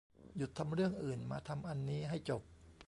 หยุดทำเรื่องอื่นมาทำอันนี้ให้จบ